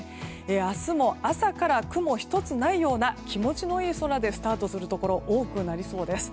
明日も朝から雲１つないような気持ちのいい空でスタートするところ多くなりそうです。